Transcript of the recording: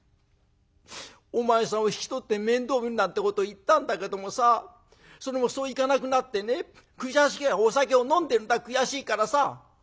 お前さんを引き取って面倒見るなんてこと言ったんだけどもさそれもそういかなくなってねお酒を飲んでるんだ悔しいからさ」。